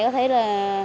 có thể là